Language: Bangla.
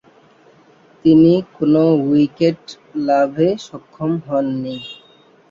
তিনি কোন উইকেট লাভে সক্ষম হননি।